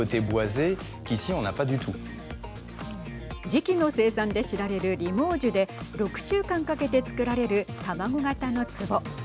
磁器の生産で知られるリモージュで６週間かけて作られる卵形のつぼ。